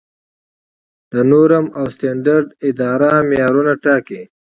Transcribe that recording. د نورم او سټنډرډ اداره معیارونه ټاکي